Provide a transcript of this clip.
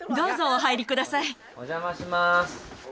お邪魔します。